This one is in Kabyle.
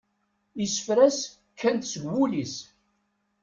Isefra-s kkan-d seg wul-is.